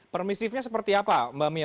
permisifnya seperti apa mbak mia